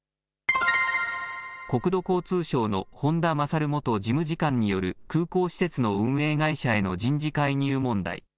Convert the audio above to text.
国土交通省の本田勝元事務次官による空港施設の運営会社への人事介入問題。